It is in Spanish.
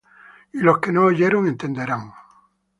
Y los que no oyeron, entenderán.